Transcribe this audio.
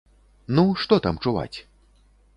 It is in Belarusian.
Ну, што там чуваць?